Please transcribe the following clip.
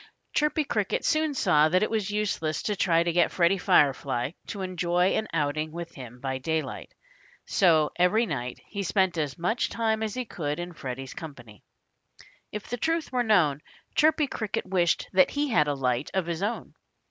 Chirpy Cricket soon saw that it was useless to try to get Freddie Firefly to enjoy an outing with him by daylight. So every night he spent as much time as he could in Freddie's company. If the truth were known, Chirpy Cricket wished that he had a light of his own.